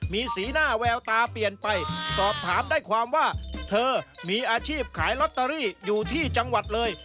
มีสีหน้าแววตาเปลี่ยนไปสอบถามได้ความว่าเธอมีอาชีพขายลอตเตอรี่อยู่ที่จังหวัดเลย